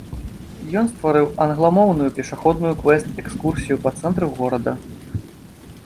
Ён стварыў англамоўную пешаходную квэст-экскурсію па цэнтры горада.